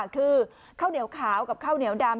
คือข้าวเหนียวขาวกับข้าวเหนียวดำ